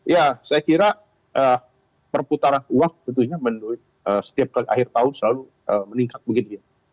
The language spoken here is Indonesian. ya saya kira perputaran uang tentunya menurut setiap akhir tahun selalu meningkat begitu ya